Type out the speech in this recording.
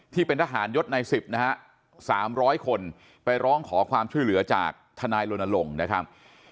ที่เป็นทหารยศใน๑๐นะฮะ๓๐๐คนไปร้องขอความช่วยเหลือจากทนายรณรงค์นะครับ